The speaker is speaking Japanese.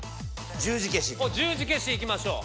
十字消しいきましょう。